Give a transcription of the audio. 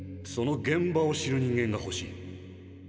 その現場を知る人間がほしい。